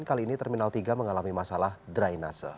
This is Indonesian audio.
kali ini terminal tiga mengalami masalah dry nasa